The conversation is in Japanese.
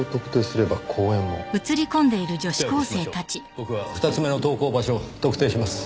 僕は２つ目の投稿場所を特定します。